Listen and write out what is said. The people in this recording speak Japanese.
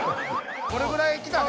これぐらいきたね。